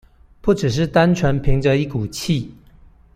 不只是單純憑著一股氣